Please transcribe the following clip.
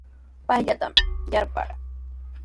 Payllatami yarparaa.